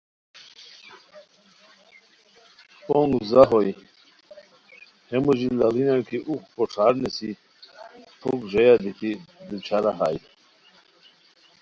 پونگ ځاہ ہوئے ہے موژی لاڑینیان کی اُوغ کو ݯھار نیسی پُھک ژویا دیتی دو چھارہ ہائے